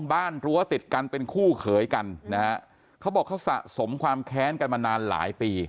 รั้วติดกันเป็นคู่เขยกันนะฮะเขาบอกเขาสะสมความแค้นกันมานานหลายปี